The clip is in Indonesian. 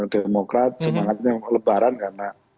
demokrat semangatnya lebaran karena